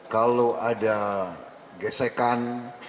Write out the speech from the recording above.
kalau kalau ada gesekan